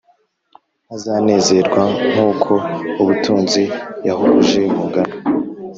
Ntazanezerwa nk uko ubutunzi yahuguje bungana